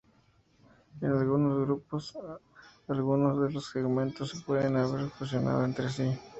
En algunos grupos, algunos de los segmentos se pueden haber fusionado entre sí.